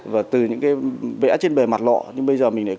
và từ những cái vẽ trên bề mặt lọ nhưng bây giờ mình lại cắt